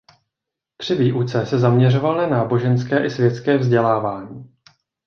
Při výuce se zaměřoval na náboženské i světské vzdělávání.